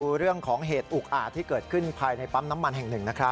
ดูเรื่องของเหตุอุกอาจที่เกิดขึ้นภายในปั๊มน้ำมันแห่งหนึ่งนะครับ